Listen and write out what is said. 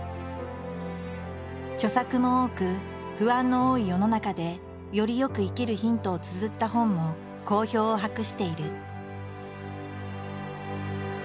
著作も多く不安の多い世の中でより良く生きるヒントをつづった本も好評を博している。